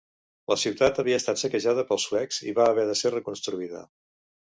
La ciutat havia estat saquejada pels suecs, i va haver de ser reconstruïda.